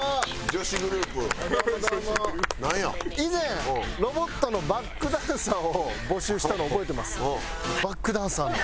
以前『ロボット』のバックダンサーを募集したの覚えてます？